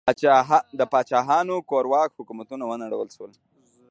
د پاچاهانو کورواک حکومتونه ونړول شول.